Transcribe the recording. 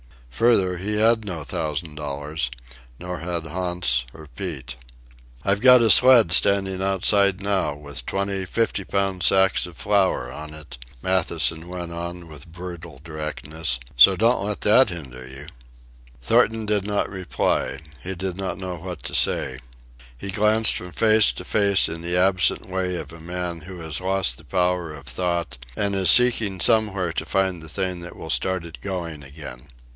Further, he had no thousand dollars; nor had Hans or Pete. "I've got a sled standing outside now, with twenty fiftypound sacks of flour on it," Matthewson went on with brutal directness; "so don't let that hinder you." Thornton did not reply. He did not know what to say. He glanced from face to face in the absent way of a man who has lost the power of thought and is seeking somewhere to find the thing that will start it going again.